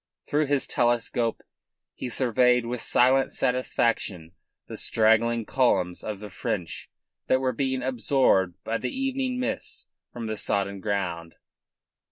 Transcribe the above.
Through his telescope he surveyed with silent satisfaction the straggling columns of the French that were being absorbed by the evening mists from the sodden ground.